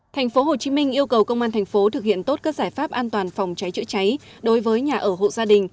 tp hcm yêu cầu công an thành phố thực hiện tốt các giải pháp an toàn phòng cháy chữa cháy đối với nhà ở hộ gia đình